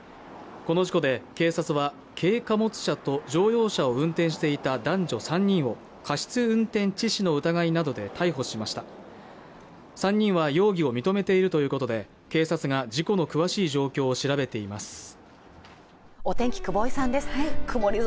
この事故で警察は軽貨物車と乗用車を運転していた男女３人を過失運転致死の疑いなどで逮捕しました３人は容疑を認めているということで警察が事故の詳しい状況を調べています